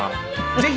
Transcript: ぜひ。